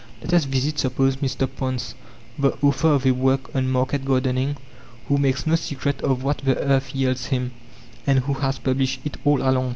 Let us visit, suppose, M. Ponce, the author of a work on market gardening, who makes no secret of what the earth yields him, and who has published it all along.